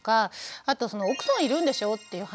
あと「奥さんいるんでしょ」っていう話